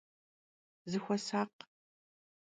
Zıxuesakh!